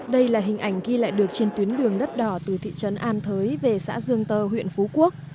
đây là hình ảnh ghi lại được trên tuyến đường đất đỏ từ thị trấn an thới về xã dương tơ huyện phú quốc